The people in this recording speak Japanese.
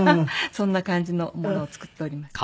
そんな感じのものを作っておりますけど。